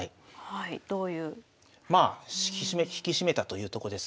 まあ引き締めたというとこです。